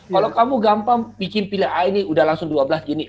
kalau kamu gampang bikin pilihan a ini sudah langsung dua belas gini